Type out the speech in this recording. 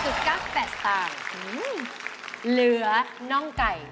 เหลือน่องไก่